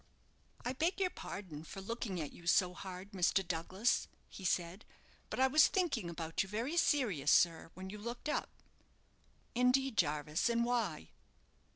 "I beg your pardon for looking at you so hard, Mr. Douglas," he said; "but I was thinking about you very serious, sir, when you looked up." "Indeed, Jarvis, and why?"